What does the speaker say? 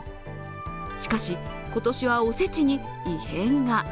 しかし、今年はお節に異変が。